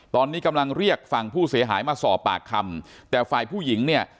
ตอนนี้กำลังเรียกฝั่งผู้เสียหายมาสอบปากคำแต่ฝ่ายผู้หญิงเนี่ย